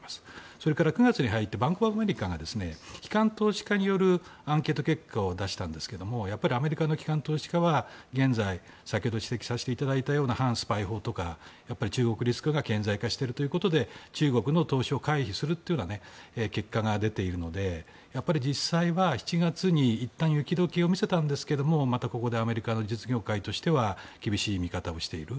それから９月に入ってバンク・オブ・アメリカが機関投資家によるアンケートの結果を出したんですけどアメリカの機関投資家は先ほど指摘したような反スパイ法とか中国リスクが顕在化しているということで中国の投資を回避するという結果が出ているので実際は、７月にいったん雪解けを見せたんですがまたここでアメリカの実業界としては厳しい見方をしている。